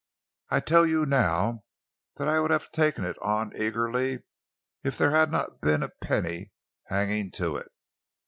I tell you now that I would have taken it on eagerly if there had not been a penny hanging to it.